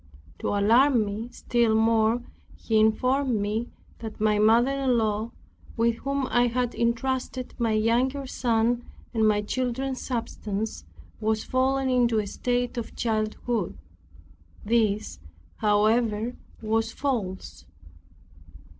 To alarm me still more, he informed me that my mother in law, with whom I had entrusted my younger son and my children's substance, was fallen into a state of childhood. This, however, was false.